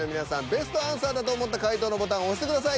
ベストアンサーだと思った回答のボタンを押してください。